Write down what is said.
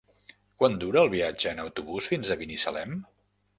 Quant dura el viatge en autobús fins a Binissalem?